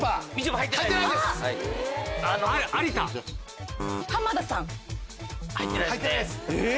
入ってないですね。